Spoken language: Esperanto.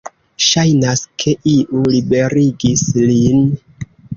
Ŝajnas, ke iu liberigis lin.